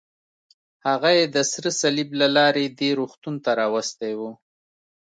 هغه یې د سره صلیب له لارې دې روغتون ته راوستی و.